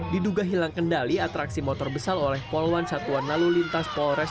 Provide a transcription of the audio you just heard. diduga hilang kendali atraksi motor besar oleh polwan satuan lalu lintas polres